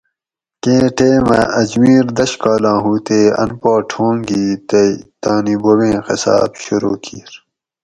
کیں ٹیمہ اجمیر دش کالاں ہُو تے ان پا ٹھونگ گھی تئی تانی بوبیں قصاۤب شروع کیر